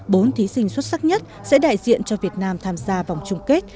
bốn thí sinh xuất sắc nhất sẽ đại diện cho việt nam tham gia vòng chung kết